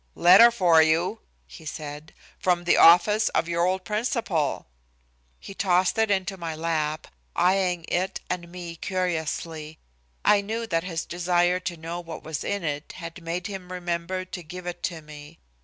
"Letter for you," he said, "from the office of your old principal." He tossed it into my lap, eyeing it and me curiously. I knew that his desire to know what was in it had made him remember to give it to me.